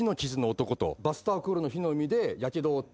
バスターコールの火の海でやけどを負った。